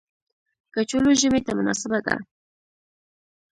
کچالو ژمي ته مناسبه ده